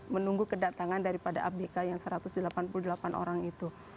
menunggu kedatangan daripada abk yang satu ratus delapan puluh delapan orang itu